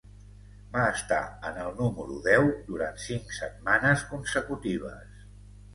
Va estar en el número deu durant cinc setmanes consecutives.